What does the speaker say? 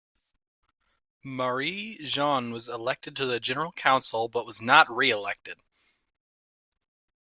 Marie-Jeanne was elected to the General Council but was not re-elected.